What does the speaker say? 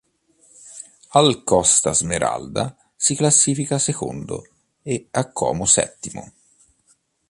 Al Costa Smeralda si classifica secondo e a Como settimo.